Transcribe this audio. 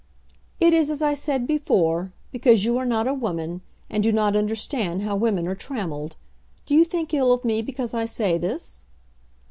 "It is as I said before, because you are not a woman, and do not understand how women are trammelled. Do you think ill of me because I say this?"